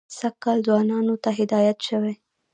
سږ کال ځوانانو ته هدایت شوی.